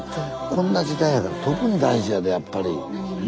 こんな時代やから特に大事やでやっぱり。ね？